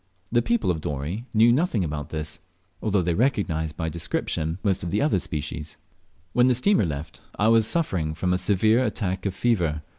The people of Dorey knew nothing about this, although they recognised by description most of the otter species. When the steamer left, I was suffering from a severe attack of fever.